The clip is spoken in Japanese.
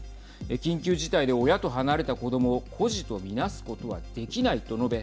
緊急事態で親と離れた子どもを孤児と見なすことはできないと述べ